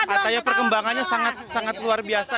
ataya perkembangannya sangat sangat luar biasa